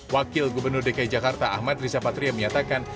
wakil gubernur dki jakarta ahmad rizapatria menyatakan